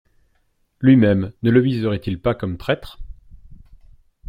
Lui-même, ne le viseraient-ils pas comme traître?